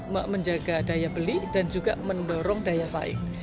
menjaga daya beli dan juga mendorong daya saing